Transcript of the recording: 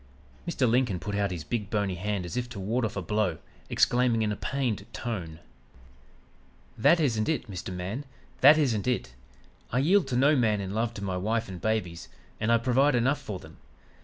"Mr. Lincoln put out his big bony hand as if to ward off a blow, exclaiming in a pained tone: "'That isn't it, Mr. Man. That isn't it. I yield to no man in love to my wife and babies, and I provide enough for them.